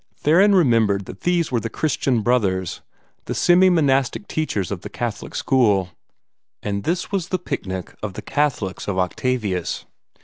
Theron remembered that these were the Christian Brothers, the semi monastic teachers of the Catholic school. And this was the picnic of the Catholics of Octavius.